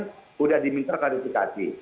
sudah diminta kondifikasi